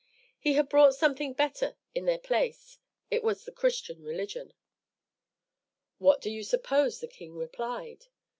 He had brought something better in their place. It was the Christian religion. What do you suppose the king replied?